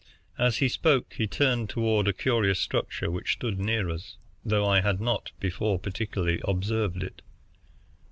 '" As he spoke he turned toward a curious structure which stood near us, though I had not before particularly observed it.